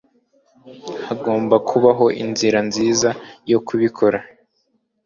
Hagomba kubaho inzira nziza yo kubikora.